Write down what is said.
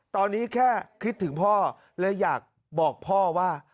ตอนนี้แค่คิดถึงพ่อเลยอยากบอกพ่อว่า